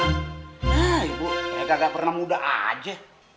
nah ibu mereka gak pernah muda aja